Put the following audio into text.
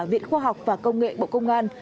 viện khoa học và công nghệ bộ công an